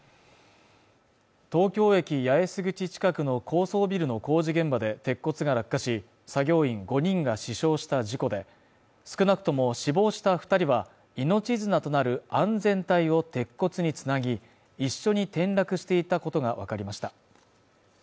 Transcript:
東京駅八重洲口近くの高層ビルの工事現場で鉄骨が落下し作業員５人が死傷した事故で少なくとも死亡した二人は命綱となる安全帯を鉄骨につなぎ一緒に転落していたことが分かりました